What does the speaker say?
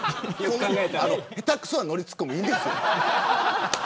下手くそなノリツッコミいいですよ。